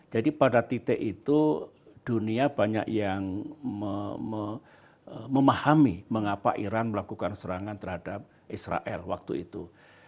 jadi pada titik itu dunia banyak yang memahami mengapa iran melakukan serangan terhadap israel waktu itu